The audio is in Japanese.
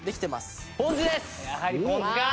やはりポン酢か！